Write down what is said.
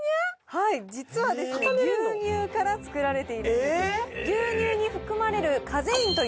はい実は牛乳から作られているんです。